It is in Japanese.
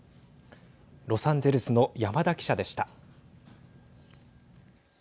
ロサンゼルスの山田記者でした。